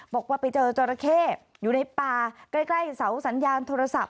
บอกว่าไปเจอจราเข้อยู่ในป่าใกล้เสาสัญญาณโทรศัพท์